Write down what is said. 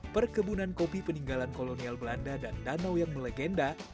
perkebunan kopi peninggalan kolonial belanda dan danau yang melegenda